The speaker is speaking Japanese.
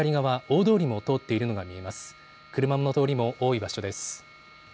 車の通りも多い場所です。